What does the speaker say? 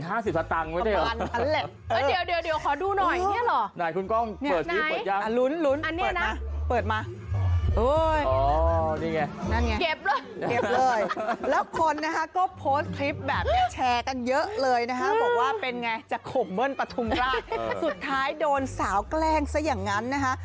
แชร์กันเยอะเลยนะฮะบอกว่าเป็นไงจะข่มเมิ้นปทุมราคสุดท้ายโดนสาวแกล้งซะอย่างนั้นนะฮะ